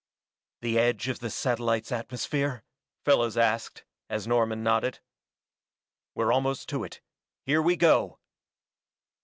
"The edge of the satellite's atmosphere?" Fellows asked, as Norman nodded. "We're almost to it here we go!"